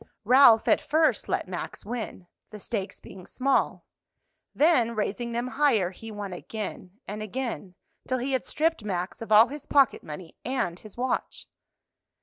Ralph at first let Max win, the stakes being small; then raising them higher, he won again and again, till he had stripped Max of all his pocket money and his watch.